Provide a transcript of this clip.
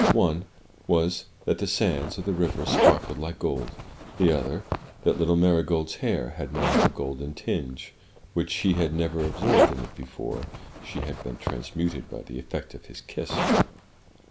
One was, that the sands of the river sparkled like gold; the other, that little Marygold's hair had now a golden tinge, which he had never observed in it before she had been transmuted by the effect of his kiss.